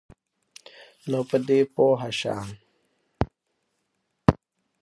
نو په دی پوهه شه